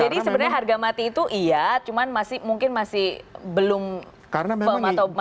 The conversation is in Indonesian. jadi sebenarnya harga mati itu iya cuman masih mungkin masih belum atau masih malu malu ya